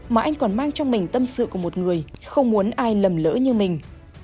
mà anh còn mang trong mình tâm sự của một người không muốn ai lầm lỡ như mình